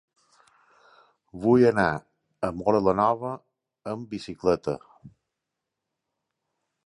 Vull anar a Móra la Nova amb bicicleta.